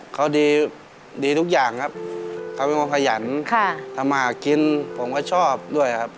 เขาดีดีทุกอย่างครับเขาเป็นมัวไภหยันธมากกินผมก็ชอบด้วยครับ